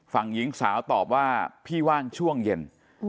ฝั่งหญิงสาวตอบว่าพี่ว่างช่วงเย็น